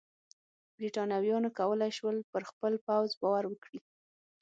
برېټانویانو کولای شول پر خپل پوځ باور وکړي.